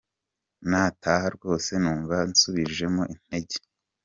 Ngataha rwose numva nsubijwemo intege.